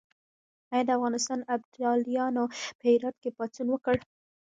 آیا د افغانستان ابدالیانو په هرات کې پاڅون وکړ؟